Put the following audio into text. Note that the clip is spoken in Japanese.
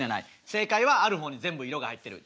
正解は「ある」方に全部色が入ってる。